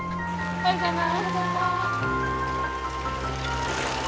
おはようございます。